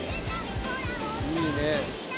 いいねぇ。